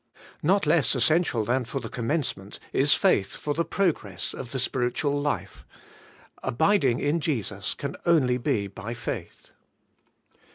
Not less essential than for the commencement, is faith for the progress of the spiritual life. Abiding in Jesus can only be by faith.